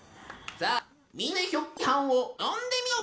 さあみんなでひょっこりはんを呼んでみよう！